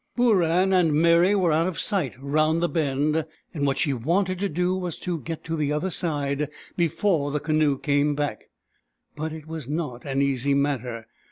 Booran and Meri were out of sight round the bend, and what she wanted to do was to get to the other side before the canoe came back. But it was not an easy matter.